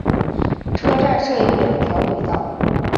车站设有两条轨道。